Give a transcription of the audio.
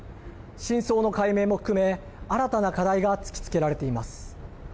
真相の解明も含め新たな課題が突きつけられています。